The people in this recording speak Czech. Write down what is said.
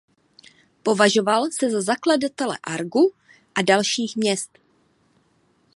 Považoval se za zakladatele Argu a dalších měst.